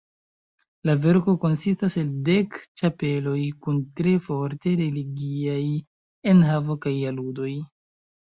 La verko konsistas el dek ĉapeloj kun tre forte religiaj enhavo kaj aludoj.